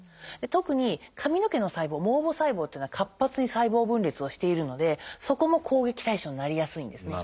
特に髪の毛の細胞毛母細胞というのは活発に細胞分裂をしているのでそこも攻撃対象になりやすいんですね。